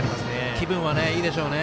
気分はいいでしょうね。